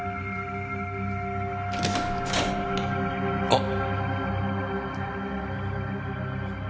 あっ。